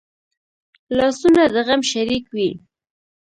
لاسونه د غم شریک وي